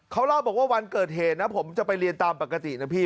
เขาเล่าบอกว่าวันเกิดเหตุนะผมจะไปเรียนตามปกตินะพี่